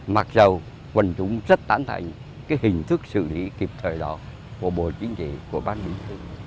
mặc dù quần chúng rất tán thành cái hình thức xử lý kịp thời đó của bộ chính trị của ban bí thư